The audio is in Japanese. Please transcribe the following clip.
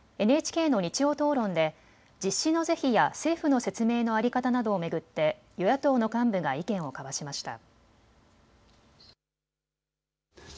ＮＨＫの日曜討論で実施の是非や政府の説明の在り方などを巡って与野党の幹部が意見を交わしました。